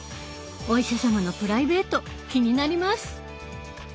お医者様のプライベート気になります。